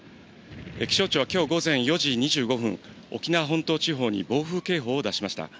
気象庁はきょう午前４時２５分、沖縄本島地方に暴風警報を出しました。